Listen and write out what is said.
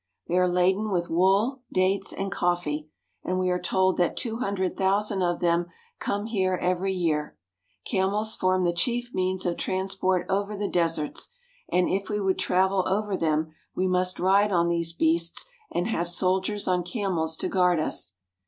They are laden with wool, dates, and coffee ; and we are told that two hundred thousand of them come here every year. Camels form the chief means of transport over the deserts, and if we would Aden. travel over them, we must ride on these beasts and have soldiers on camels to guard us.